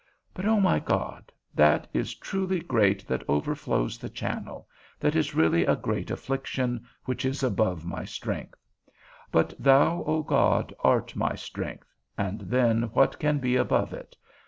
But, O my God, that is truly great that overflows the channel, that is really a great affliction which is above my strength; but thou, O God, art my strength, and then what can be above it?